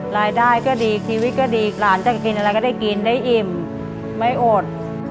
รายได้ก็ดีชีวิตก็ดีหลานจะกินอะไรก็ได้กินได้อิ่มไม่อด